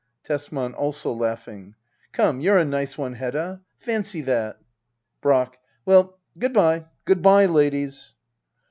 Tesman. [Also laughing,] Come, you're a nice one Hedda 1 Fancy that ! Brack. Well, good bye, good bye, ladies.